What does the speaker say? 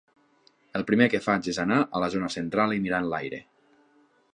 El primer que faig és anar a la zona central i mirar enlaire.